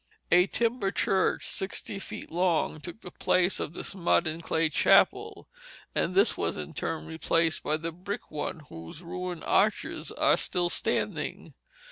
A timber church sixty feet long took the place of this mud and clay chapel, and this was in turn replaced by the brick one whose ruined arches are still standing.